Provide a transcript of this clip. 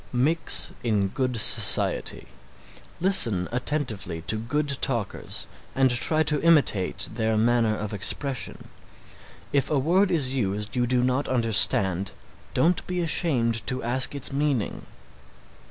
Mix in good society. Listen attentively to good talkers and try to imitate their manner of expression. If a word is used you do not understand, don't be ashamed to ask its meaning.